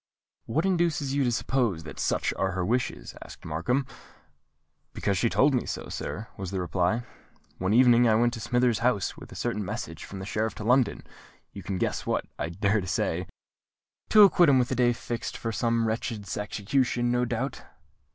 "What induces you to suppose that such are her wishes?" asked Markham. "Because she told me so, sir," was the reply. "One evening I went to Smithers' house, with a certain message from the Sheriff of London—you can guess what, I dare say——" "To acquaint him with the day fixed for some wretch's execution, no doubt?"